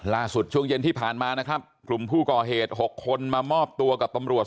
ช่วงเย็นที่ผ่านมานะครับกลุ่มผู้ก่อเหตุ๖คนมามอบตัวกับตำรวจ